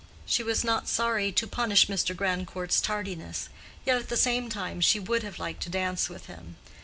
She was not sorry to punish Mr. Grandcourt's tardiness, yet at the same time she would have liked to dance with him.